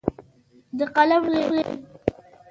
د قلم له خولې